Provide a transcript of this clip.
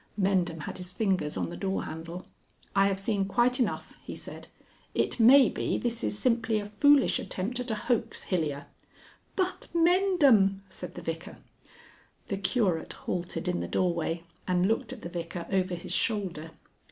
Mendham had his fingers on the door handle. "I have seen quite enough," he said. "It may be this is simply a foolish attempt at a hoax, Hilyer." "But Mendham!" said the Vicar. The Curate halted in the doorway and looked at the Vicar over his shoulder.